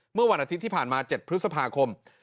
เมื่อวันอาทิตย์ที่ผ่านมา๗พฤษภาคม